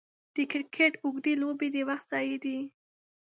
د کرکټ اوږدې لوبې د وخت ضايع دي.